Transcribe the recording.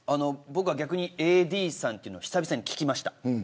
僕は逆にＡＤさんというのを久しぶりに聞きました。